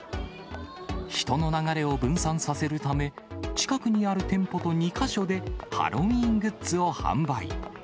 人の流れを分散させるため、近くにある店舗と２か所で、ハロウィーングッズを販売。